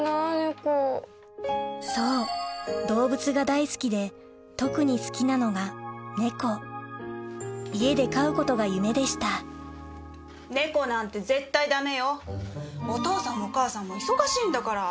そう動物が大好きで特に好きなのがネコ家で飼うことが夢でしたお父さんもお母さんも忙しいんだから。